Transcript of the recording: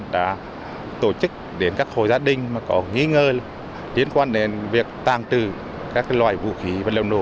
đã tổ chức đến các hồ gia đình mà có nghi ngờ liên quan đến việc tăng trừ các loại vũ khí vật liệu nổ